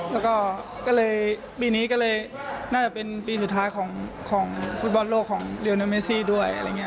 แล้วก็ปีนี้ก็เลยน่าจะเป็นปีสุดท้ายของฟุตบอตโลกของเรียนเรียนเมซี่ด้วย